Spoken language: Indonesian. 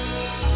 karena oleh suka